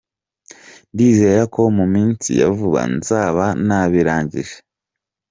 Ndizera ko mu minsi ya vuba nzaba nabirangije.”